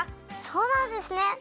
そうなんですね。